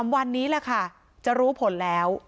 ๓วันนี้แหละค่ะจะรู้ผลแล้ว